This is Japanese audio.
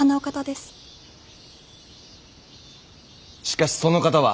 しかしその方は。